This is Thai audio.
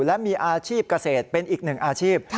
และมีอาชีพเกษตรเป็นอีกหนึ่งอาชีพ